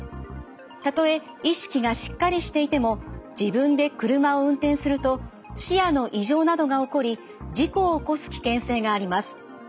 たとえ意識がしっかりしていても自分で車を運転すると視野の異常などが起こり事故を起こす危険性があります。